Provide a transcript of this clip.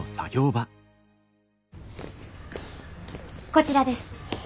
こちらです。